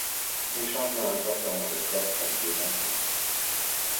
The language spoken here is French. Des changements importants dans le corps prennent lieu maintenant.